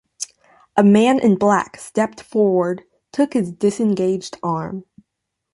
A man in black stepped forward, took his disengaged arm.